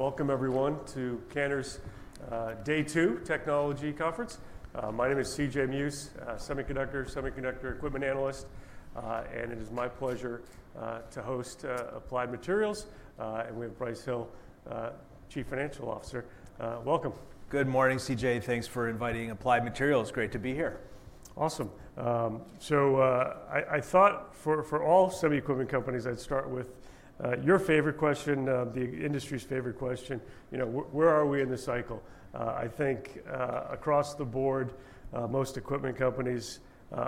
Welcome, everyone, to Cantor's Day Two Technology Conference. My name is C.J. Muse, semiconductor equipment analyst, and it is my pleasure to host Applied Materials, and we have Brice Hill, Chief Financial Officer. Welcome. Good morning, C.J. Thanks for inviting Applied Materials. Great to be here. Awesome. I thought for all semi-equipment companies, I'd start with your favorite question, the industry's favorite question. Where are we in the cycle? I think across the board, most equipment companies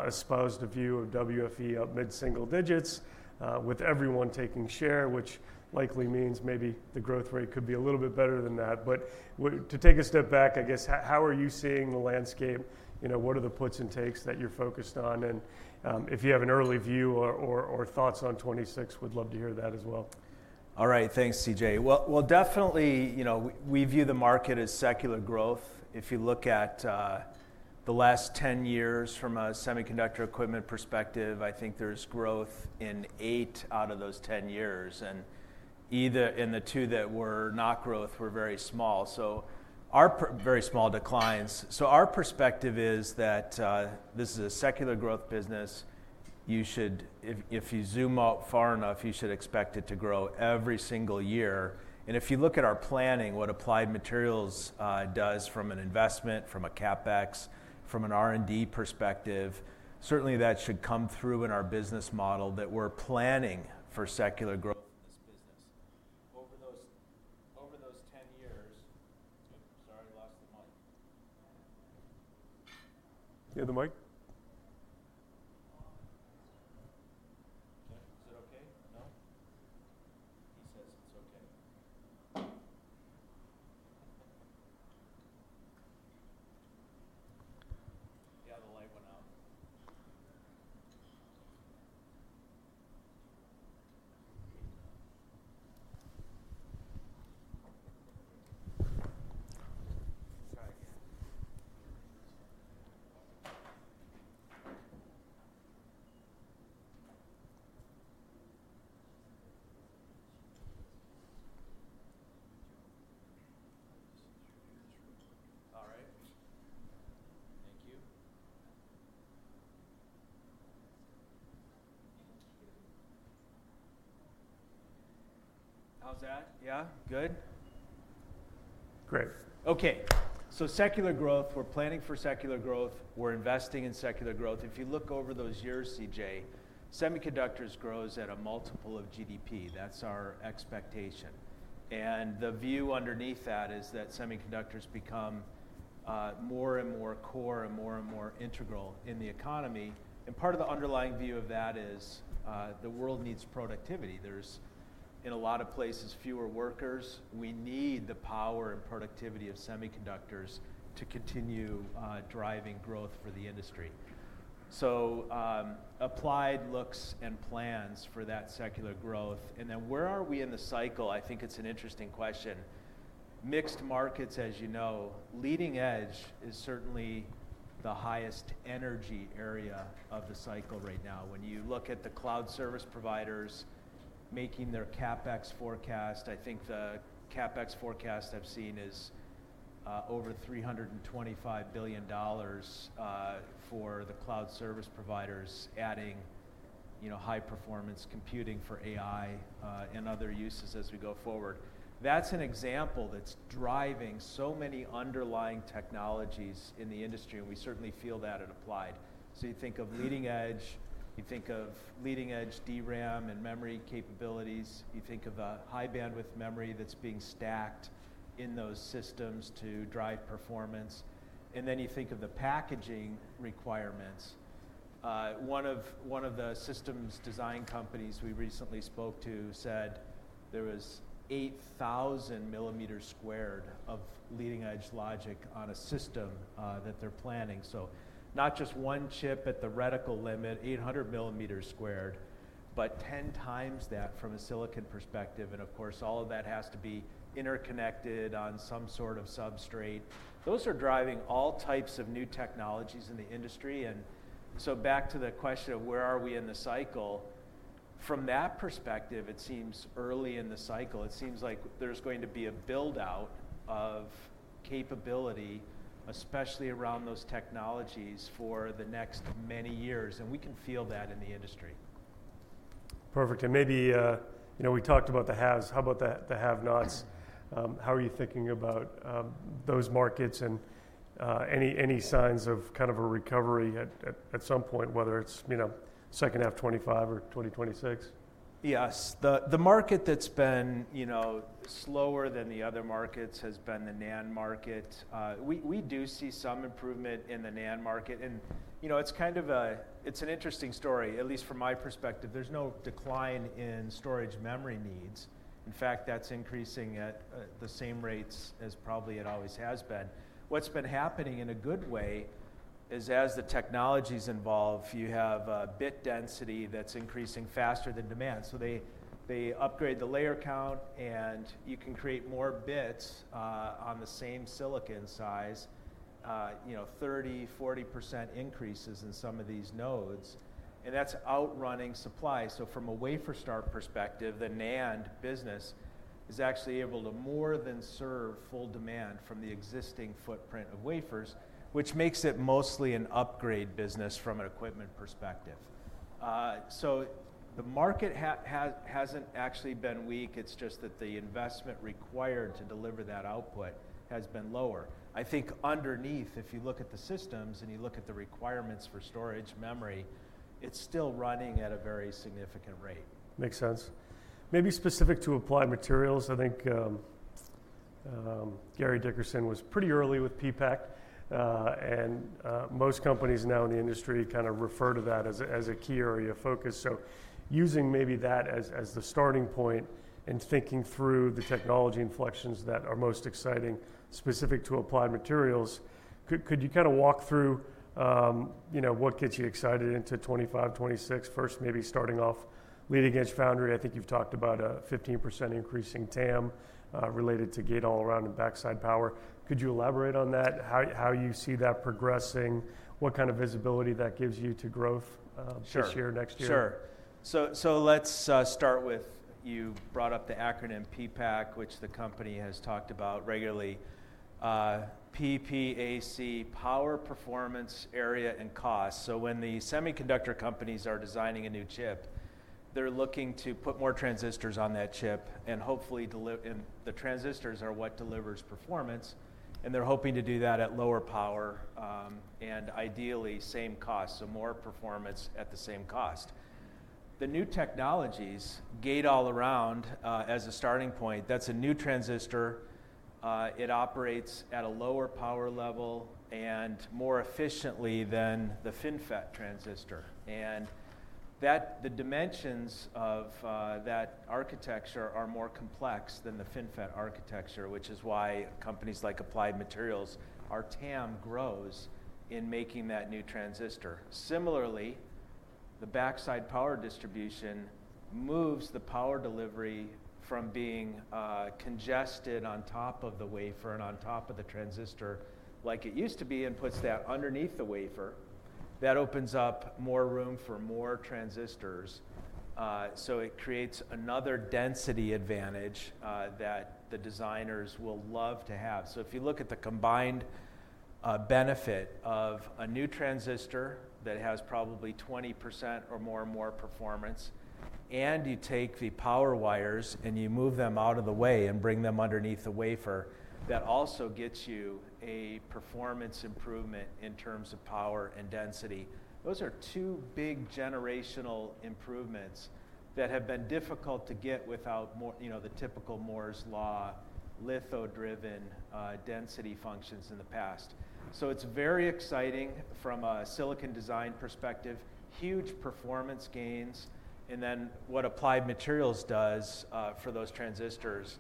espoused a view of WFE up mid-single digits, with everyone taking share, which likely means maybe the growth rate could be a little bit better than that. To take a step back, I guess, how are you seeing the landscape? What are the puts and takes that you're focused on? If you have an early view or thoughts on 2026, we'd love to hear that as well. All right. Thanks, C.J. We definitely view the market as secular growth. If you look at the last 10 years from a semiconductor equipment perspective, I think there's growth in eight out of those 10 years. Either in the two that were not growth were very small, so very small declines. Our perspective is that this is a secular growth business. If you zoom out far enough, you should expect it to grow every single year. If you look at our planning, what Applied Materials does from an investment, from a CapEx, from an R&D perspective, certainly that should come through in our business model that we're planning for secular growth in this business. Over those 10 years—oh, sorry, I lost the mic. You have the mic? Is it OK? No? All right. Thank you. How's that? Yeah? Good? Great. OK. Secular growth, we're planning for secular growth, we're investing in secular growth. If you look over those years, C.J., semiconductors grows at a multiple of GDP. That's our expectation. The view underneath that is that semiconductors become more and more core and more and more integral in the economy. Part of the underlying view of that is the world needs productivity. There's, in a lot of places, fewer workers. We need the power and productivity of semiconductors to continue driving growth for the industry. Applied looks and plans for that secular growth. Where are we in the cycle? I think it's an interesting question. Mixed markets, as you know, leading edge is certainly the highest energy area of the cycle right now. When you look at the cloud service providers making their CapEx forecast, I think the CapEx forecast I've seen is over $325 billion for the cloud service providers adding high-performance computing for AI and other uses as we go forward. That's an example that's driving so many underlying technologies in the industry, and we certainly feel that at Applied. You think of leading edge, you think of leading edge DRAM and memory capabilities, you think of a High Bandwidth Memory that's being stacked in those systems to drive performance. You think of the packaging requirements. One of the systems design companies we recently spoke to said there was 8,000 mm squared of leading edge logic on a system that they're planning. Not just one chip at the reticle limit, 800 mm squared, but 10 times that from a silicon perspective. Of course, all of that has to be interconnected on some sort of substrate. Those are driving all types of new technologies in the industry. Back to the question of where are we in the cycle, from that perspective, it seems early in the cycle. It seems like there's going to be a build-out of capability, especially around those technologies for the next many years. We can feel that in the industry. Perfect. Maybe we talked about the haves. How about the have-nots? How are you thinking about those markets and any signs of kind of a recovery at some point, whether it is second half 2025 or 2026? Yes. The market that's been slower than the other markets has been the NAND market. We do see some improvement in the NAND market. It's kind of an interesting story, at least from my perspective. There's no decline in storage memory needs. In fact, that's increasing at the same rates as probably it always has been. What's been happening in a good way is as the technologies evolve, you have bit density that's increasing faster than demand. They upgrade the layer count, and you can create more bits on the same silicon size, 30%-40% increases in some of these nodes. That's outrunning supply. From a wafer start perspective, the NAND business is actually able to more than serve full demand from the existing footprint of wafers, which makes it mostly an upgrade business from an equipment perspective. The market hasn't actually been weak. It's just that the investment required to deliver that output has been lower. I think underneath, if you look at the systems and you look at the requirements for storage memory, it's still running at a very significant rate. Makes sense. Maybe specific to Applied Materials, I think Gary Dickerson was pretty early with PPAC. Most companies now in the industry kind of refer to that as a key area of focus. Using maybe that as the starting point and thinking through the technology inflections that are most exciting specific to Applied Materials, could you kind of walk through what gets you excited into 2025, 2026? First, maybe starting off leading edge foundry, I think you've talked about a 15% increase in TAM related to Gate-All-Around and backside power. Could you elaborate on that, how you see that progressing, what kind of visibility that gives you to growth this year, next year? Sure. Let's start with you brought up the acronym PPAC, which the company has talked about regularly. PPAC, power, performance, area, and cost. When the semiconductor companies are designing a new chip, they're looking to put more transistors on that chip. Hopefully, the transistors are what delivers performance. They're hoping to do that at lower power and ideally same cost, so more performance at the same cost. The new technologies, Gate-All-Around as a starting point, that's a new transistor. It operates at a lower power level and more efficiently than the FinFET transistor. The dimensions of that architecture are more complex than the FinFET architecture, which is why companies like Applied Materials are TAM grows in making that new transistor. Similarly, the backside power delivery moves the power delivery from being congested on top of the wafer and on top of the transistor like it used to be and puts that underneath the wafer. That opens up more room for more transistors. It creates another density advantage that the designers will love to have. If you look at the combined benefit of a new transistor that has probably 20% or more and more performance, and you take the power wires and you move them out of the way and bring them underneath the wafer, that also gets you a performance improvement in terms of power and density. Those are two big generational improvements that have been difficult to get without the typical Moore's Law, litho-driven density functions in the past. It is very exciting from a silicon design perspective, huge performance gains. What Applied Materials does for those transistors,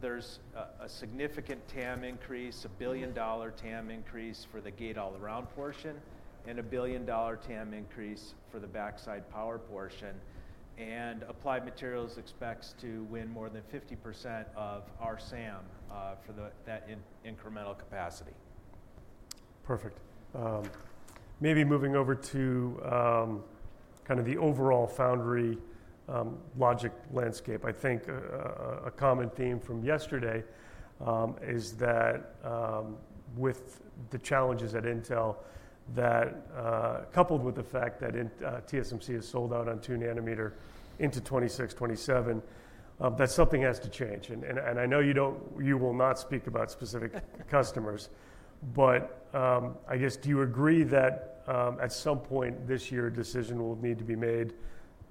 there's a significant TAM increase, a $1 billion TAM increase for the Gate-All-Around portion, and a $1 billion TAM increase for the backside power portion. Applied Materials expects to win more than 50% of RSAM for that incremental capacity. Perfect. Maybe moving over to kind of the overall foundry logic landscape. I think a common theme from yesterday is that with the challenges at Intel, coupled with the fact that TSMC has sold out on 2 nm into 2026, 2027, that something has to change. I know you will not speak about specific customers. I guess, do you agree that at some point this year, a decision will need to be made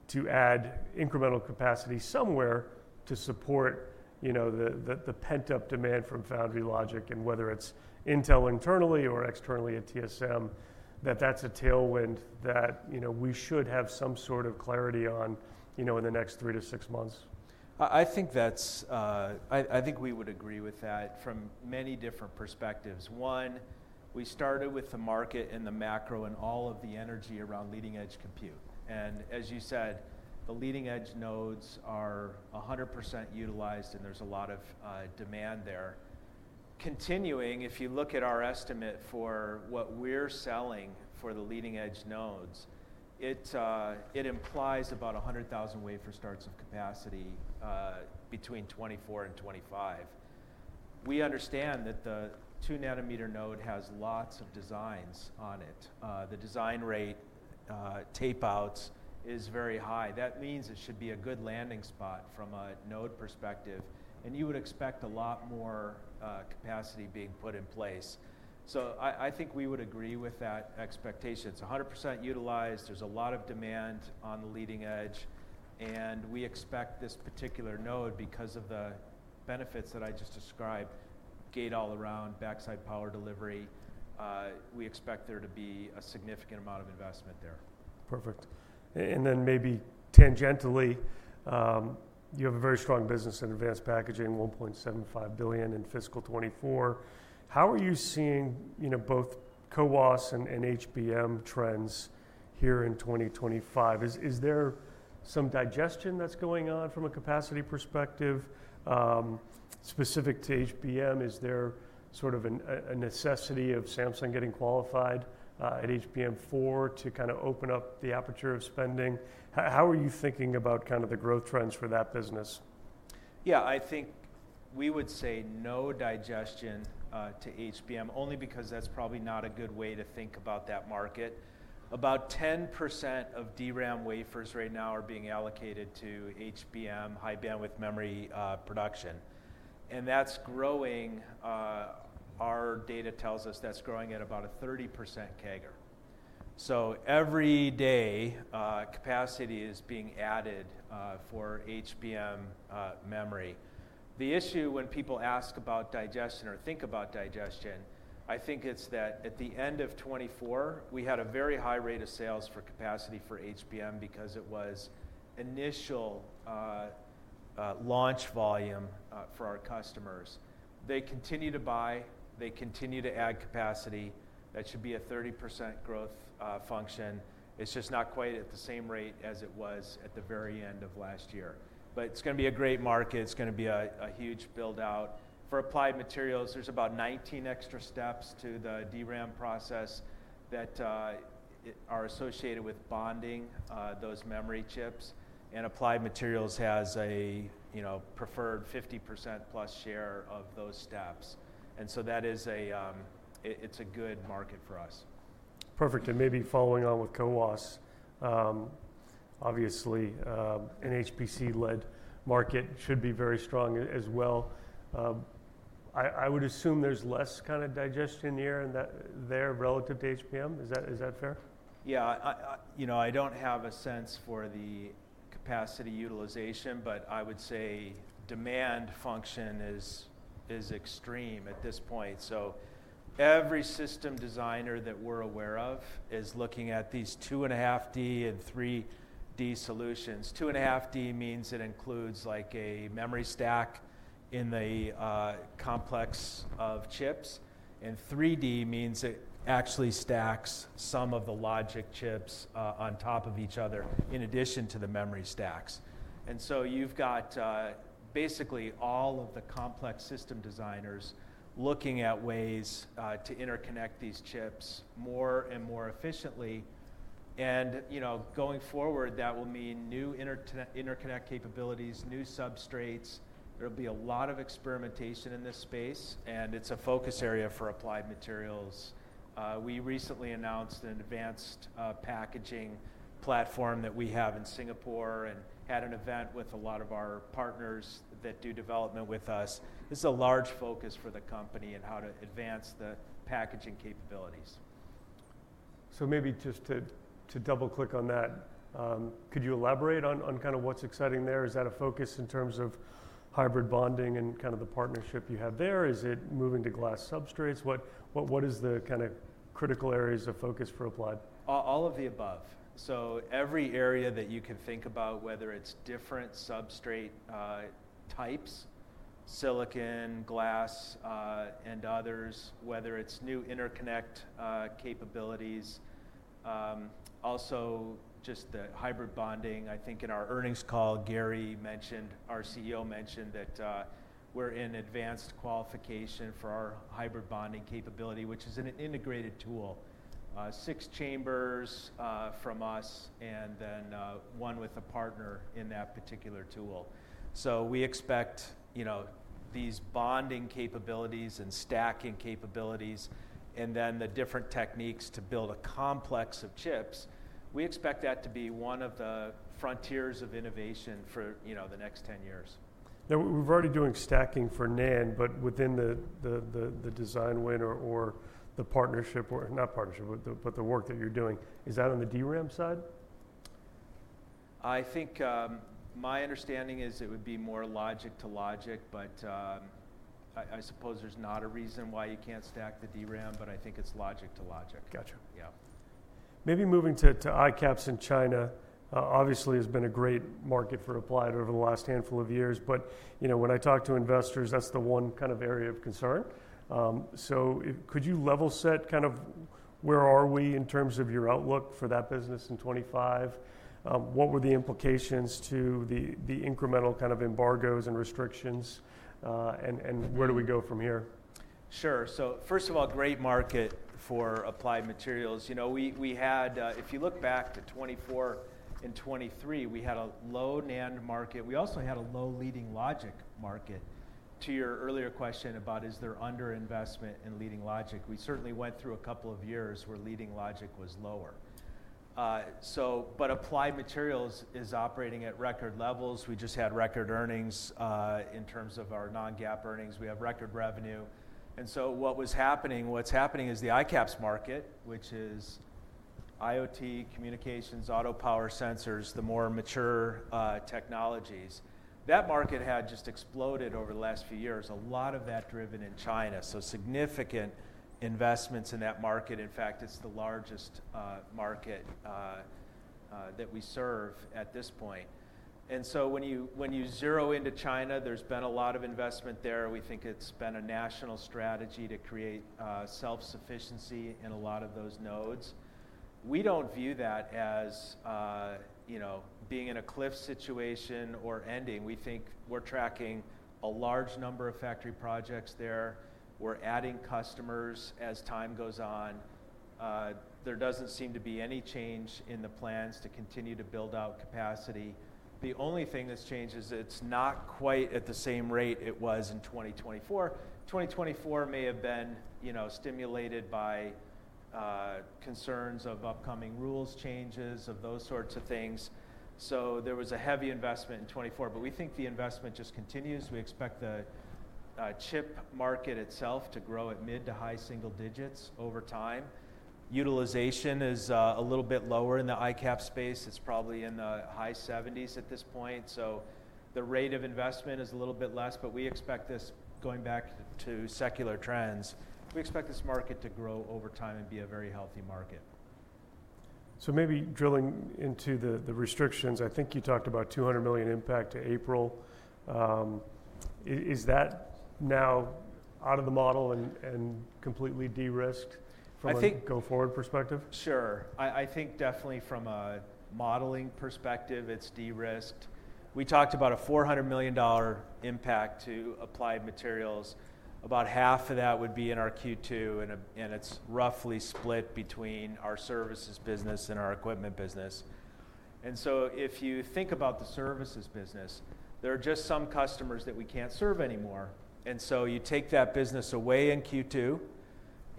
to add incremental capacity somewhere to support the pent-up demand from foundry logic? Whether it is Intel internally or externally at TSMC, that is a tailwind that we should have some sort of clarity on in the next three to six months? I think we would agree with that from many different perspectives. One, we started with the market and the macro and all of the energy around leading edge compute. As you said, the leading edge nodes are 100% utilized, and there's a lot of demand there. Continuing, if you look at our estimate for what we're selling for the leading edge nodes, it implies about 100,000 wafer starts of capacity between 2024 and 2025. We understand that the 2 nm node has lots of designs on it. The design rate tape outs is very high. That means it should be a good landing spot from a node perspective. You would expect a lot more capacity being put in place. I think we would agree with that expectation. It's 100% utilized. There's a lot of demand on the leading edge. We expect this particular node, because of the benefits that I just described, Gate-All-Around, backside power delivery, we expect there to be a significant amount of investment there. Perfect. Maybe tangentially, you have a very strong business in advanced packaging, $1.75 billion in fiscal 2024. How are you seeing both CoWoS and HBM trends here in 2025? Is there some digestion that's going on from a capacity perspective specific to HBM? Is there sort of a necessity of Samsung getting qualified at HBM4 to kind of open up the aperture of spending? How are you thinking about kind of the growth trends for that business? Yeah, I think we would say no digestion to HBM, only because that's probably not a good way to think about that market. About 10% of DRAM wafers right now are being allocated to HBM, high bandwidth memory production. That's growing. Our data tells us that's growing at about a 30% CAGR. Every day, capacity is being added for HBM memory. The issue when people ask about digestion or think about digestion, I think it's that at the end of 2024, we had a very high rate of sales for capacity for HBM because it was initial launch volume for our customers. They continue to buy. They continue to add capacity. That should be a 30% growth function. It's just not quite at the same rate as it was at the very end of last year. It's going to be a great market. It's going to be a huge build-out. For Applied Materials, there's about 19 extra steps to the DRAM process that are associated with bonding those memory chips. Applied Materials has a preferred 50%+ share of those steps. It's a good market for us. Perfect. Maybe following on with CoWoS, obviously, an HPC-led market should be very strong as well. I would assume there's less kind of digestion there relative to HBM. Is that fair? Yeah. I don't have a sense for the capacity utilization, but I would say demand function is extreme at this point. Every system designer that we're aware of is looking at these 2.5D and 3D solutions. 2.5D means it includes a memory stack in the complex of chips. 3D means it actually stacks some of the logic chips on top of each other in addition to the memory stacks. You have basically all of the complex system designers looking at ways to interconnect these chips more and more efficiently. Going forward, that will mean new interconnect capabilities, new substrates. There will be a lot of experimentation in this space. It is a focus area for Applied Materials. We recently announced an advanced packaging platform that we have in Singapore and had an event with a lot of our partners that do development with us. This is a large focus for the company in how to advance the packaging capabilities. Maybe just to double-click on that, could you elaborate on kind of what's exciting there? Is that a focus in terms of hybrid bonding and kind of the partnership you have there? Is it moving to glass substrates? What is the kind of critical areas of focus for Applied? All of the above. Every area that you can think about, whether it's different substrate types, silicon, glass, and others, whether it's new interconnect capabilities, also just the hybrid bonding. I think in our earnings call, Gary mentioned, our CEO mentioned that we're in advanced qualification for our hybrid bonding capability, which is an integrated tool, six chambers from us, and then one with a partner in that particular tool. We expect these bonding capabilities and stacking capabilities, and then the different techniques to build a complex of chips. We expect that to be one of the frontiers of innovation for the next 10 years. Now, we're already doing stacking for NAND, but within the design winner or the partnership, or not partnership, but the work that you're doing, is that on the DRAM side? I think my understanding is it would be more logic to logic, but I suppose there's not a reason why you can't stack the DRAM, but I think it's logic to logic. Gotcha. Yeah. Maybe moving to ICAPS in China, obviously, has been a great market for Applied over the last handful of years. When I talk to investors, that's the one kind of area of concern. Could you level set kind of where are we in terms of your outlook for that business in 2025? What were the implications to the incremental kind of embargoes and restrictions, and where do we go from here? Sure. First of all, great market for Applied Materials. If you look back to 2024 and 2023, we had a low NAND market. We also had a low leading logic market. To your earlier question about is there underinvestment in leading logic, we certainly went through a couple of years where leading logic was lower. Applied Materials is operating at record levels. We just had record earnings in terms of our non-GAAP earnings. We have record revenue. What was happening, what's happening is the ICAPS market, which is IoT, communications, auto, power, sensors, the more mature technologies. That market had just exploded over the last few years, a lot of that driven in China. Significant investments in that market. In fact, it's the largest market that we serve at this point. When you zero into China, there's been a lot of investment there. We think it's been a national strategy to create self-sufficiency in a lot of those nodes. We don't view that as being in a cliff situation or ending. We think we're tracking a large number of factory projects there. We're adding customers as time goes on. There doesn't seem to be any change in the plans to continue to build out capacity. The only thing that's changed is it's not quite at the same rate it was in 2024. 2024 may have been stimulated by concerns of upcoming rules changes, of those sorts of things. There was a heavy investment in 2024, but we think the investment just continues. We expect the chip market itself to grow at mid to high single digits over time. Utilization is a little bit lower in the ICAPS space. It's probably in the high 70s at this point. The rate of investment is a little bit less, but we expect this, going back to secular trends, we expect this market to grow over time and be a very healthy market. Maybe drilling into the restrictions, I think you talked about $200 million impact to April. Is that now out of the model and completely de-risked from a go forward perspective? Sure. I think definitely from a modeling perspective, it's de-risked. We talked about a $400 million impact to Applied Materials. About half of that would be in our Q2, and it's roughly split between our services business and our equipment business. If you think about the services business, there are just some customers that we can't serve anymore. You take that business away in Q2,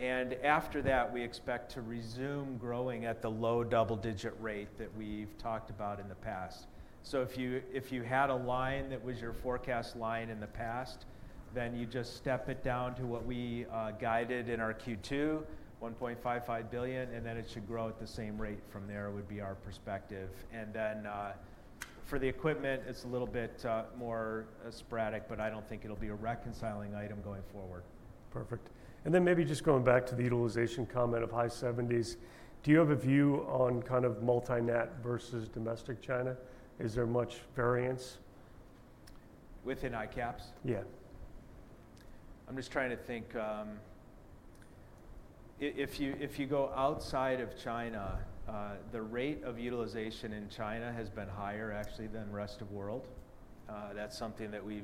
and after that, we expect to resume growing at the low double-digit rate that we've talked about in the past. If you had a line that was your forecast line in the past, you just step it down to what we guided in our Q2, $1.55 billion, and then it should grow at the same rate from there, would be our perspective. For the equipment, it's a little bit more sporadic, but I don't think it'll be a reconciling item going forward. Perfect. Maybe just going back to the utilization comment of high 70s, do you have a view on kind of multi-net versus domestic China? Is there much variance? Within ICAPS? Yeah. I'm just trying to think. If you go outside of China, the rate of utilization in China has been higher, actually, than the rest of the world. That's something that we've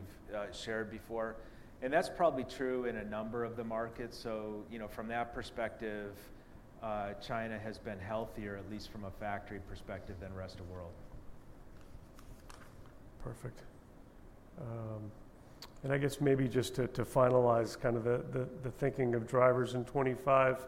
shared before. That's probably true in a number of the markets. From that perspective, China has been healthier, at least from a factory perspective, than the rest of the world. Perfect. I guess maybe just to finalize kind of the thinking of drivers in 2025,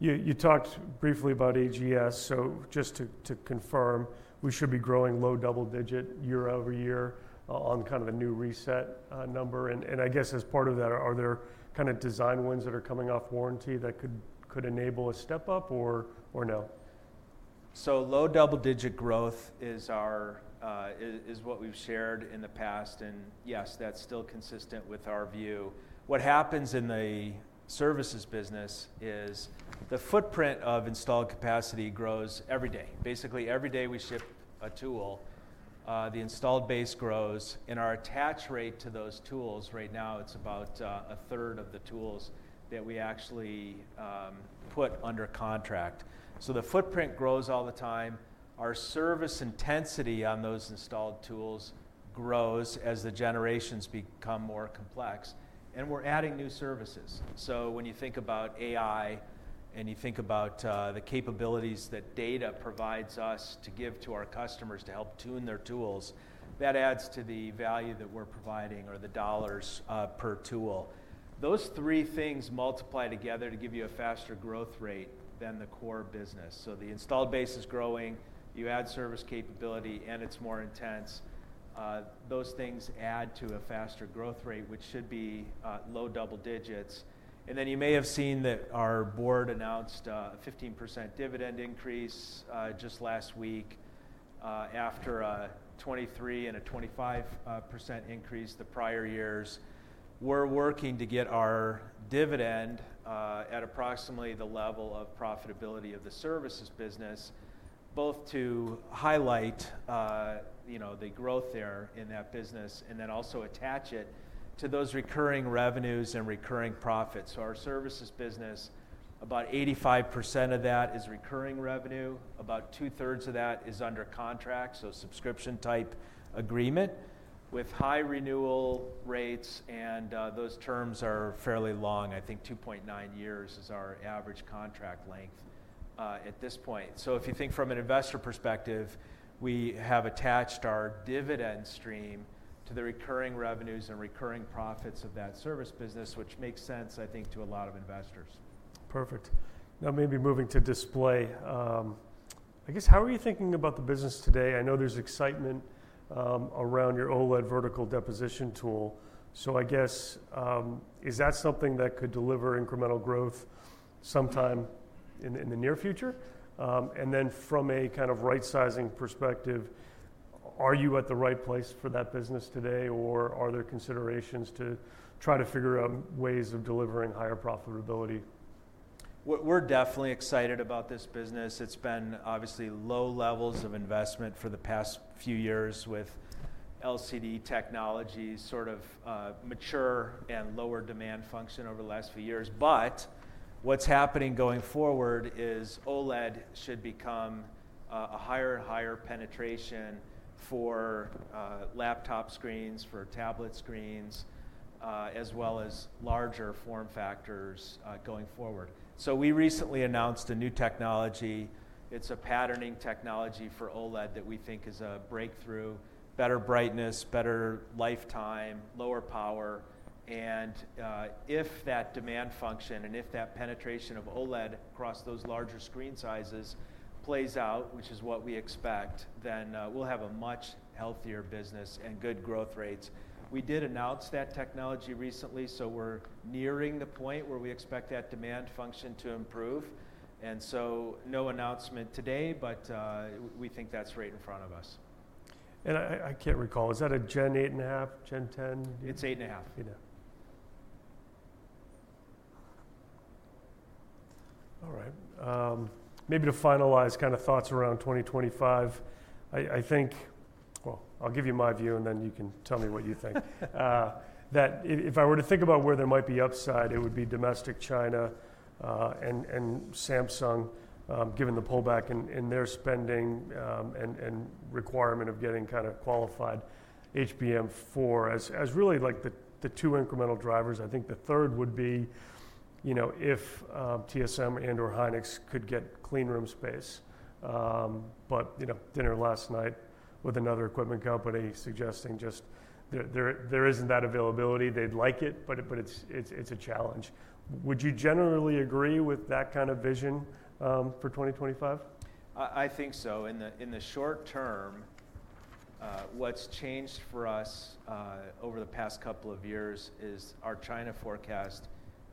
you talked briefly about AGS. Just to confirm, we should be growing low double-digit year over year on kind of a new reset number. I guess as part of that, are there kind of design wins that are coming off warranty that could enable a step up or no? Low double-digit growth is what we've shared in the past. Yes, that's still consistent with our view. What happens in the services business is the footprint of installed capacity grows every day. Basically, every day we ship a tool, the installed base grows. Our attach rate to those tools right now, it's about a third of the tools that we actually put under contract. The footprint grows all the time. Our service intensity on those installed tools grows as the generations become more complex. We're adding new services. When you think about AI and you think about the capabilities that data provides us to give to our customers to help tune their tools, that adds to the value that we're providing or the dollars per tool. Those three things multiply together to give you a faster growth rate than the core business. The installed base is growing. You add service capability, and it is more intense. Those things add to a faster growth rate, which should be low double digits. You may have seen that our board announced a 15% dividend increase just last week after a 23% and a 25% increase the prior years. We are working to get our dividend at approximately the level of profitability of the services business, both to highlight the growth there in that business and also attach it to those recurring revenues and recurring profits. Our services business, about 85% of that is recurring revenue. About two-thirds of that is under contract, so subscription-type agreement with high renewal rates. Those terms are fairly long. I think 2.9 years is our average contract length at this point. If you think from an investor perspective, we have attached our dividend stream to the recurring revenues and recurring profits of that service business, which makes sense, I think, to a lot of investors. Perfect. Now, maybe moving to display. I guess how are you thinking about the business today? I know there's excitement around your OLED vertical deposition tool. I guess, is that something that could deliver incremental growth sometime in the near future? From a kind of right-sizing perspective, are you at the right place for that business today, or are there considerations to try to figure out ways of delivering higher profitability? We're definitely excited about this business. It's been obviously low levels of investment for the past few years with LCD technology, sort of mature and lower demand function over the last few years. What's happening going forward is OLED should become a higher and higher penetration for laptop screens, for tablet screens, as well as larger form factors going forward. We recently announced a new technology. It's a patterning technology for OLED that we think is a breakthrough, better brightness, better lifetime, lower power. If that demand function and if that penetration of OLED across those larger screen sizes plays out, which is what we expect, we'll have a much healthier business and good growth rates. We did announce that technology recently, so we're nearing the point where we expect that demand function to improve. No announcement today, but we think that's right in front of us. I can't recall. Is that a Gen 8.5, Gen 10? It's 8.5. 8.5. All right. Maybe to finalize kind of thoughts around 2025, I think, well, I'll give you my view, and then you can tell me what you think. That if I were to think about where there might be upside, it would be domestic China and Samsung, given the pullback in their spending and requirement of getting kind of qualified HBM4 as really like the two incremental drivers. I think the third would be if TSMC and/or SK hynix could get clean room space. But dinner last night with another equipment company suggesting just there isn't that availability. They'd like it, but it's a challenge. Would you generally agree with that kind of vision for 2025? I think so. In the short term, what's changed for us over the past couple of years is our China forecast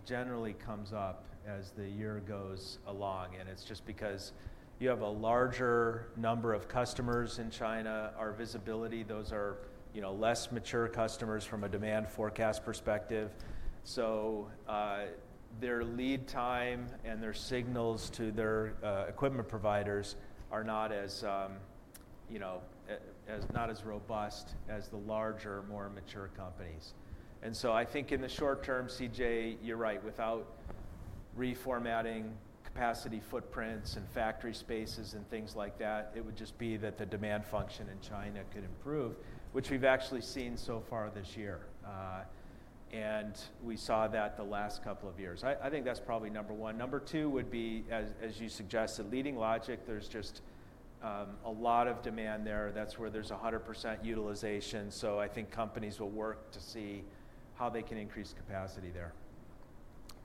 generally comes up as the year goes along. It is just because you have a larger number of customers in China, our visibility. Those are less mature customers from a demand forecast perspective. Their lead time and their signals to their equipment providers are not as robust as the larger, more mature companies. I think in the short term, C.J., you're right. Without reformatting capacity footprints and factory spaces and things like that, it would just be that the demand function in China could improve, which we've actually seen so far this year. We saw that the last couple of years. I think that's probably number one. Number two would be, as you suggested, leading logic. There is just a lot of demand there. That's where there's 100% utilization. I think companies will work to see how they can increase capacity there.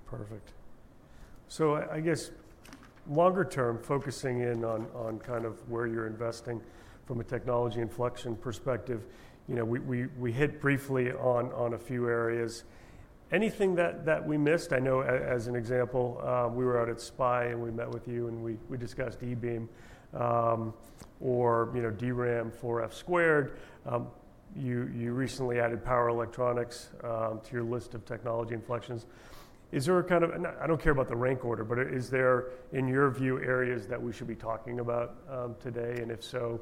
Perfect. I guess longer term, focusing in on kind of where you're investing from a technology inflection perspective, we hit briefly on a few areas. Anything that we missed? I know as an example, we were out at SPIE, and we met with you, and we discussed eBeam or DRAM for 4F². You recently added power electronics to your list of technology inflections. Is there a kind of, and I don't care about the rank order, but is there, in your view, areas that we should be talking about today? If so,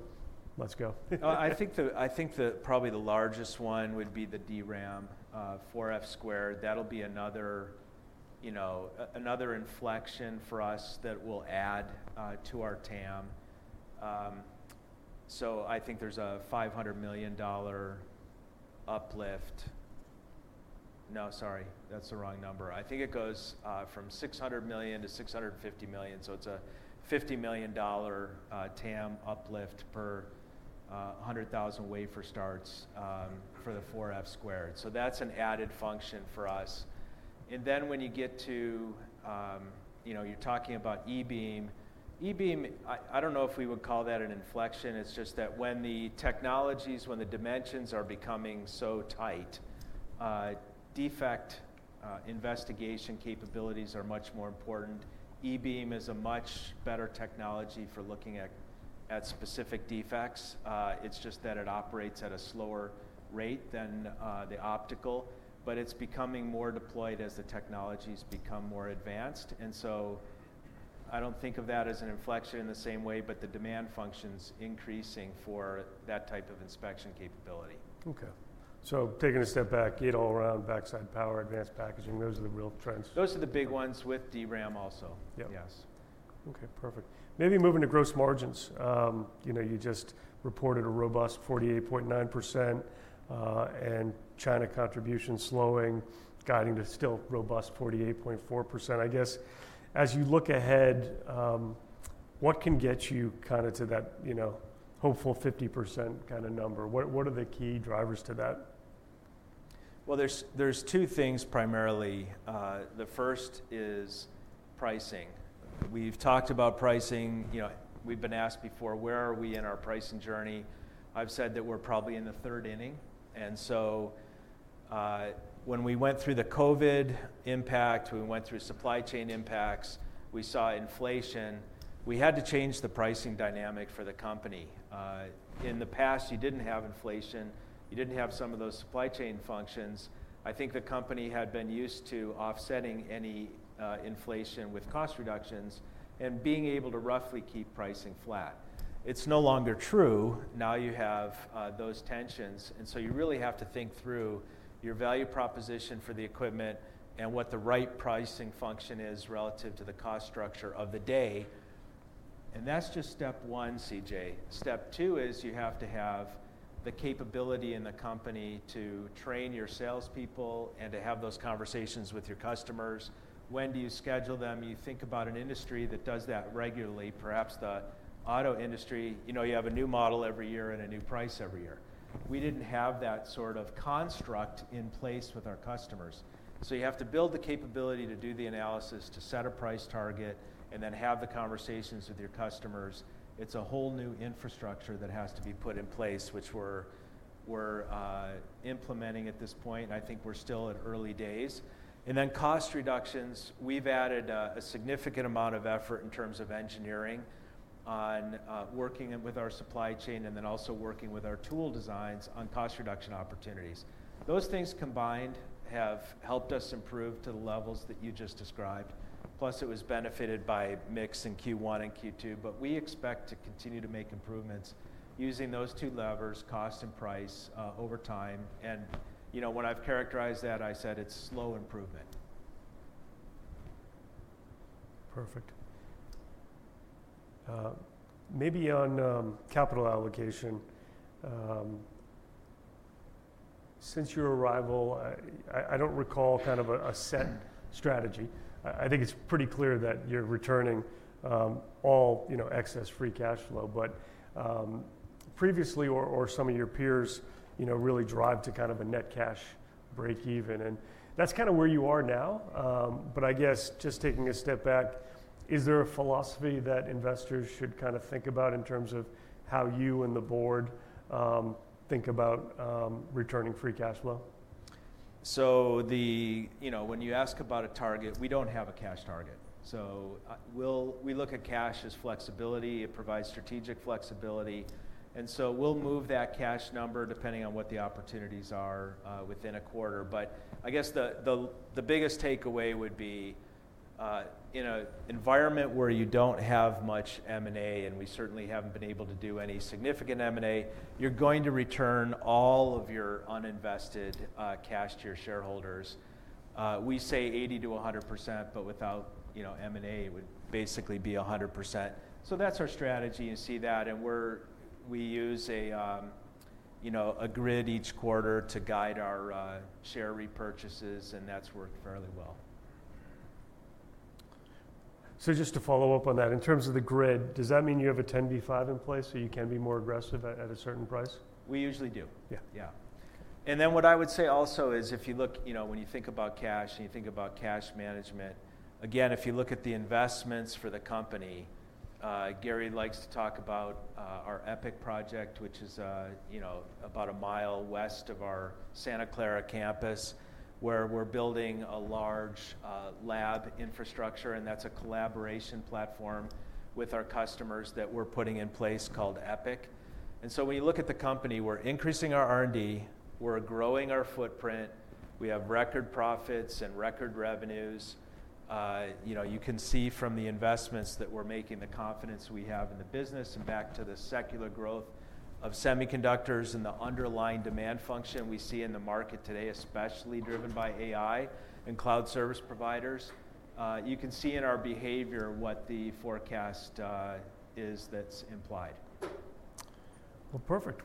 let's go. I think probably the largest one would be the DRAM for 4F². That'll be another inflection for us that will add to our TAM. I think there's a $500 million uplift. No, sorry, that's the wrong number. I think it goes from $600 million to $650 million. It's a $50 million TAM uplift per 100,000 wafer starts for the 4F². That's an added function for us. When you get to, you're talking about eBeam. eBeam, I don't know if we would call that an inflection. It's just that when the technologies, when the dimensions are becoming so tight, defect investigation capabilities are much more important. eBeam is a much better technology for looking at specific defects. It's just that it operates at a slower rate than the optical, but it's becoming more deployed as the technologies become more advanced. I don't think of that as an inflection in the same way, but the demand function's increasing for that type of inspection capability. Okay. Taking a step back, Gate-All-Around, backside power, advanced packaging, those are the real trends. Those are the big ones with DRAM also. Yes. Okay. Perfect. Maybe moving to gross margins. You just reported a robust 48.9% and China contribution slowing, guiding to still robust 48.4%. I guess as you look ahead, what can get you kind of to that hopeful 50% kind of number? What are the key drivers to that? There are two things primarily. The first is pricing. We've talked about pricing. We've been asked before, where are we in our pricing journey? I've said that we're probably in the third inning. When we went through the COVID impact, we went through supply chain impacts, we saw inflation. We had to change the pricing dynamic for the company. In the past, you didn't have inflation. You didn't have some of those supply chain functions. I think the company had been used to offsetting any inflation with cost reductions and being able to roughly keep pricing flat. It's no longer true. Now you have those tensions. You really have to think through your value proposition for the equipment and what the right pricing function is relative to the cost structure of the day. That's just step one, CJ. Step two is you have to have the capability in the company to train your salespeople and to have those conversations with your customers. When do you schedule them? You think about an industry that does that regularly, perhaps the auto industry. You have a new model every year and a new price every year. We did not have that sort of construct in place with our customers. You have to build the capability to do the analysis, to set a price target, and then have the conversations with your customers. It is a whole new infrastructure that has to be put in place, which we are implementing at this point. I think we are still at early days. Cost reductions. We have added a significant amount of effort in terms of engineering on working with our supply chain and also working with our tool designs on cost reduction opportunities. Those things combined have helped us improve to the levels that you just described. Plus, it was benefited by mix in Q1 and Q2. We expect to continue to make improvements using those two levers, cost and price, over time. When I've characterized that, I said it's slow improvement. Perfect. Maybe on capital allocation, since your arrival, I don't recall kind of a set strategy. I think it's pretty clear that you're returning all excess free cash flow. Previously, some of your peers really drive to kind of a net cash breakeven. That's kind of where you are now. I guess just taking a step back, is there a philosophy that investors should kind of think about in terms of how you and the board think about returning free cash flow? When you ask about a target, we don't have a cash target. We look at cash as flexibility. It provides strategic flexibility. We will move that cash number depending on what the opportunities are within a quarter. I guess the biggest takeaway would be in an environment where you don't have much M&A, and we certainly haven't been able to do any significant M&A, you're going to return all of your uninvested cash to your shareholders. We say 80-100%, but without M&A, it would basically be 100%. That is our strategy. You see that. We use a grid each quarter to guide our share repurchases, and that has worked fairly well. Just to follow up on that, in terms of the grid, does that mean you have a 10B5 in place so you can be more aggressive at a certain price? We usually do. Yeah. What I would say also is if you look, when you think about cash and you think about cash management, again, if you look at the investments for the company, Gary likes to talk about our EPIC project, which is about a mile west of our Santa Clara campus, where we're building a large lab infrastructure. That is a collaboration platform with our customers that we're putting in place called EPIC. When you look at the company, we're increasing our R&D. We're growing our footprint. We have record profits and record revenues. You can see from the investments that we're making the confidence we have in the business and back to the secular growth of semiconductors and the underlying demand function we see in the market today, especially driven by AI and cloud service providers. You can see in our behavior what the forecast is that's implied. Perfect.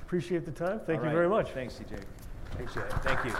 Appreciate the time. Thank you very much. Thanks, C.J. Appreciate it. Thank you.